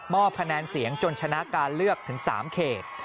คะแนนเสียงจนชนะการเลือกถึง๓เขต